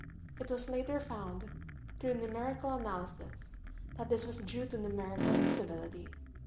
It was later found, through numerical analysis, that this was due to numerical instability.